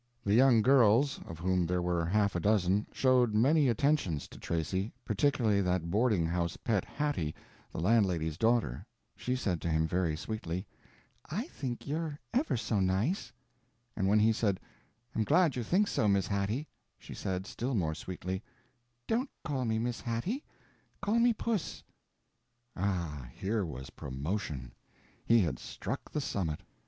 The young girls, of whom there were half a dozen, showed many attentions to Tracy, particularly that boarding house pet Hattie, the landlady's daughter. She said to him, very sweetly, "I think you're ever so nice." And when he said, "I'm glad you think so, Miss Hattie," she said, still more sweetly, "Don't call me Miss Hattie—call me Puss." Ah, here was promotion! He had struck the summit.